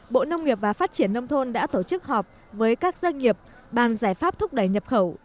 bộ nông nghiệp và phát triển nông thôn đã tổ chức họp với các doanh nghiệp bàn giải pháp thúc đẩy nhập khẩu